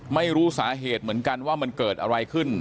ไม่รู้สาเหตุเหมือนกันว่ามันเกิดอะไรขึ้น